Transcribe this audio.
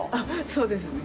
そうですね。